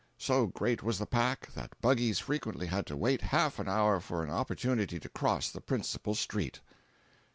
So great was the pack, that buggies frequently had to wait half an hour for an opportunity to cross the principal street.